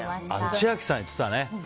千秋さん言ってたね。